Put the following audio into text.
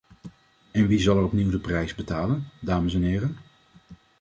En wie zal er opnieuw de prijs betalen, dames en heren?